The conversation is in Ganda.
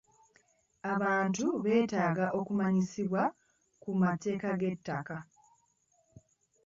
Abantu beetaaga okumanyisibwa ku mateeka g'ettaka.